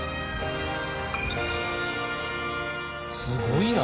すごいな！